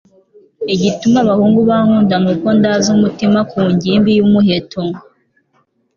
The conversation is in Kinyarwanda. Igituma abahungu bankunda nuko ndaza umutima ku ngimbi y'umuheto